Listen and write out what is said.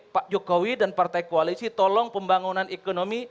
pak jokowi dan partai koalisi tolong pembangunan ekonomi